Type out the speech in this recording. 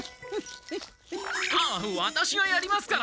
ああワタシがやりますから！